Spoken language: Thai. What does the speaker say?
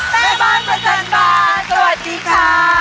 แม่บ้านประจันบานสวัสดีค่ะ